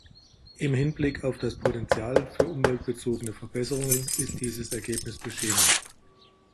Im Hinblick auf das Potenzial für umweltbezogene Verbesserungen ist dieses Ergebnis beschämend.